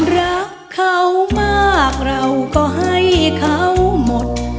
รักเขามากเราก็ให้เขาหมด